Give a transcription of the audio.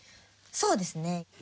そうですね。